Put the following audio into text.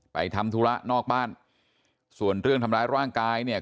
ทำธุระนอกบ้านส่วนเรื่องทำร้ายร่างกายเนี่ย